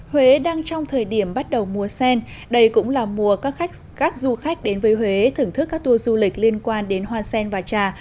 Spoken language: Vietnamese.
huế đang trong thời điểm bắt đầu mùa sen đây cũng là mùa các du khách đến với huế thưởng thức các tour du lịch liên quan đến hoa sen và trà